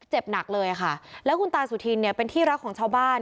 หนักเลยค่ะแล้วคุณตาสุธินเนี่ยเป็นที่รักของชาวบ้าน